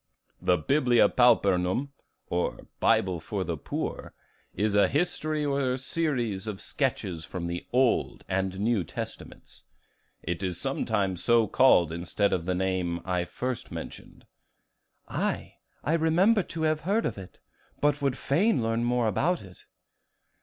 "The 'Biblia Pauperum,' or 'Bible for the Poor,' is a history or series of sketches from the Old and New Testaments; it is sometimes so called instead of the name I first mentioned." "Aye, I remember to have heard of it, but would fain learn more about it."